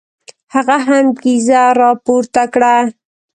هغه هم کیزه را پورته کړه.